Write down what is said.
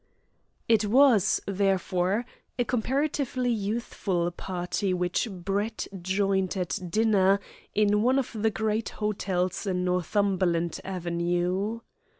It was, therefore, a comparatively youthful party which Brett joined at dinner in one of the great hotels in Northumberland Avenue.